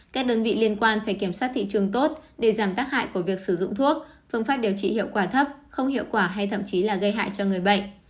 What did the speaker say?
các đơn vị liên quan phải kiểm soát thị trường tốt để giảm tác hại của việc sử dụng thuốc phương pháp điều trị hiệu quả thấp không hiệu quả hay thậm chí là gây hại cho người bệnh